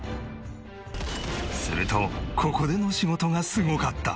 するとここでの仕事がすごかった。